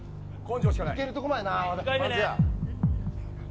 いけるところまでな。